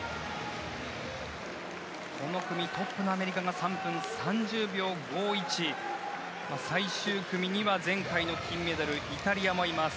この組トップのアメリカが３分３０秒５１最終組には前回の金メダルイタリアもいます。